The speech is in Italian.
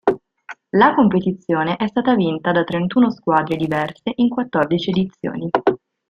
La competizione è stata vinta da trentuno squadre diverse in quattordici edizioni.